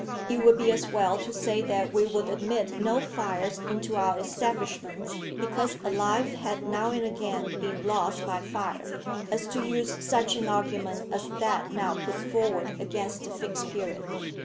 It would be as well to say that we would admit no fires into our establishments because a life had now and again been lost by fire, as to use such an argument as that now put forward against the Fixed Period.